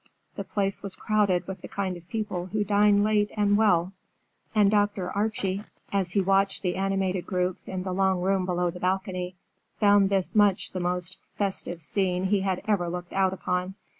The place was crowded with the kind of people who dine late and well, and Dr. Archie, as he watched the animated groups in the long room below the balcony, found this much the most festive scene he had ever looked out upon.